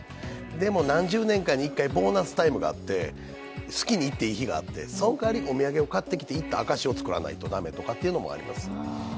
でも何十年かに一回ボーナスタイムがあって好きに行っていい日があって、その代わりにお土産で行った証しを作らないと駄目というのもあります。